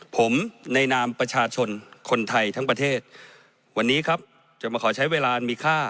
ผมในนามประชาชนคนไทยทั้งประเทศวันนี้ครับจะมาขอใช้เวลามีค่า